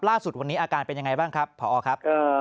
ล่าสุดวันนี้อาการเป็นยังไงบ้างครับพอครับ